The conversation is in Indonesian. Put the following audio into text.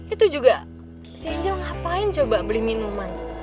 itu juga si angel ngapain coba beli minuman